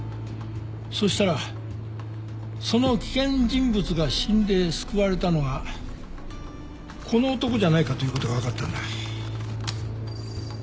そしたらその危険人物が死んで救われたのはこの男じゃないかということが分かったんだ。